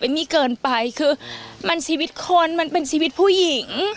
มี่เกินไปคือมันชีวิตคนมันเป็นชีวิตผู้หญิง